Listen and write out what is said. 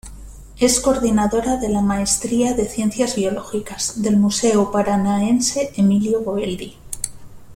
Es coordinadora de la Maestría de ciencias biológicas, del Museo Paranaense Emilio Goeldi.